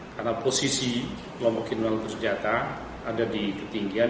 karena posisi lombok kinual persenjataan ada di ketinggian